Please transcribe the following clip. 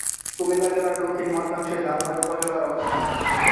কুমিল্লা জেলার দক্ষিণ-মধ্যাংশে লালমাই উপজেলার অবস্থান।